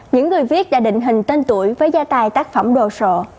những người viết đã định hình tên tuổi với gia tài tác phẩm đồ sộ